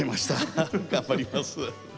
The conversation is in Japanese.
頑張ります。